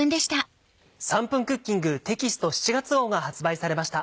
『３分クッキング』テキスト７月号が発売されました。